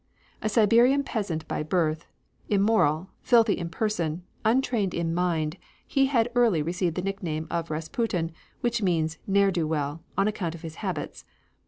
A Siberian peasant by birth, immoral, filthy in person, untrained in mind, he had early received the nickname of Rasputin, which means "ne'er do well," on account of his habits.